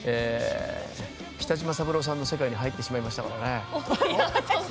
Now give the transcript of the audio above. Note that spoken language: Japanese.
北島三郎さんの世界に入ってしまいましたからね。